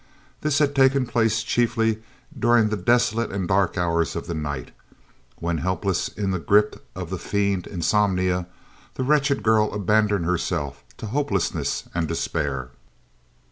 This had taken place chiefly during the desolate and dark hours of the night, when, helpless in the grip of the fiend Insomnia, the wretched girl abandoned herself to hopelessness and despair.